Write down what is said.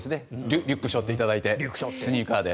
リュックを背負っていただいてスニーカーで。